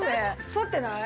反ってない？